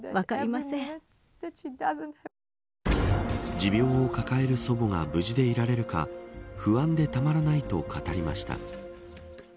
持病を抱える祖母が無事でいられるか不安でたまらないと語りました。